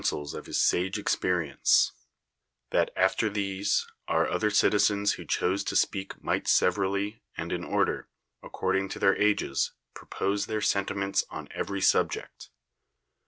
1S6 iESCIllNlS ^SCHINES of his sage experience; that, after these, our other citizens who chose to speak might severally, and in order, according to their ages, propose their sentiments on every subject.